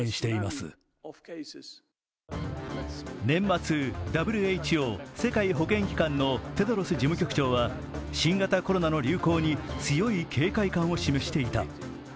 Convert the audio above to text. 年末、ＷＨＯ＝世界保健機関のテドロス事務局長は新型コロナの流行に強い警戒感を示していた。